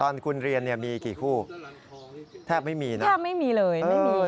ตอนคุณเรียนเนี่ยมีกี่คู่แทบไม่มีนะแทบไม่มีเลยไม่มี